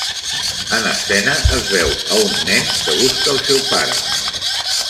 En escena es veu a un nen que busca al seu pare.